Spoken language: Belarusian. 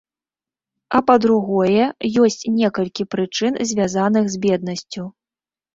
А па-другое, ёсць некалькі прычын, звязаных з беднасцю.